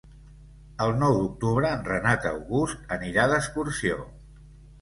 El nou d'octubre en Renat August anirà d'excursió.